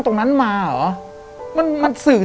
แต่ขอให้เรียนจบปริญญาตรีก่อน